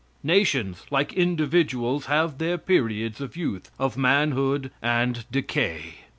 Nations, like individuals, have their periods of youth, of manhood and decay.